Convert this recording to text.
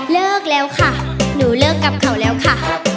เลิกแล้วค่ะหนูเลิกกับเขาแล้วค่ะ